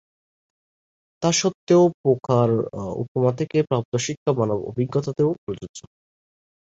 তা সত্ত্বেও,"পোকার উপমা থেকে প্রাপ্ত শিক্ষা মানব-অভিজ্ঞতাতেও প্রযোজ্য।"